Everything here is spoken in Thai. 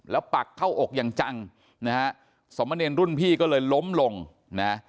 แล้วปักเข้าอกอย่างจังนะฮะสมเนรรุ่นพี่ก็เลยล้มลงนะ